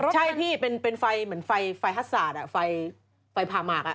ใช่พี่เป็นไฟเหมือนไฟฮัทสาดไฟผ่าหมาก